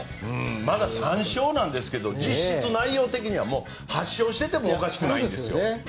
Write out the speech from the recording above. まだ３勝なんですけど実質、内容的には８勝していてもおかしくない。